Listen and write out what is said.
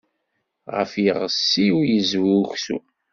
Ɣef iɣes-iw yezwi uksum.